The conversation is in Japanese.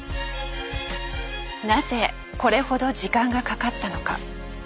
なぜこれほど時間がかかったのか。